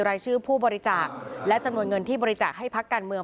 รายชื่อผู้บริจาคและจำนวนเงินที่บริจาคให้พักการเมือง